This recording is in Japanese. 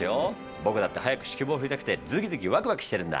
僕だって早く指揮棒振りたくてズキズキワクワクしてるんだ。